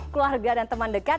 lima puluh keluarga dan teman dekat